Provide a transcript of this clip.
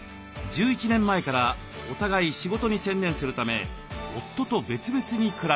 １１年前からお互い仕事に専念するため夫と別々に暮らしています。